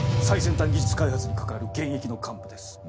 最先端技術開発に関わる現役の幹部です。